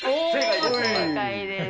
正解です。